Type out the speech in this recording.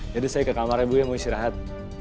saya ke kamarnya bu ya mau istirahat